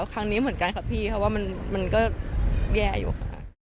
ครั้งนี้เหมือนกันค่ะพี่เพราะว่ามันก็แย่อยู่ค่ะ